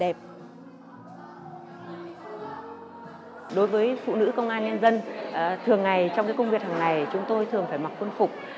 đối với phụ nữ công an nhân dân thường ngày trong công việc hàng ngày chúng tôi thường phải mặc quân phục